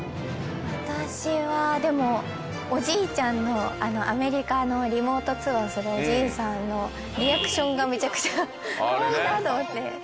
私はでもおじいちゃんのアメリカのリモート通話をするおじいさんのリアクションがめちゃくちゃかわいいなと思って。